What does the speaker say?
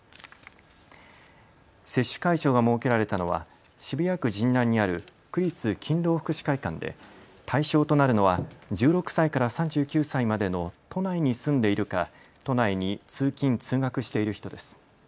接種会場が設けられたのは渋谷区神南にある区立勤労福祉会館で対象となるのは１６歳から３９歳までの都内に住んでいるか、都内に通勤、通学している人です。